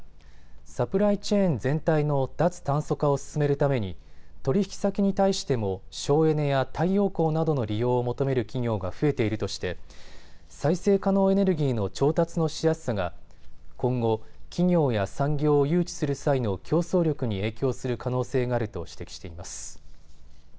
サプライチェーン全体の脱炭素化を進めるために取引先に対しても省エネや太陽光などの利用を求める企業が増えているとして再生可能エネルギーの調達のしやすさが今後、企業や産業を誘致する際の競争力に影響する可能性があると指摘しています。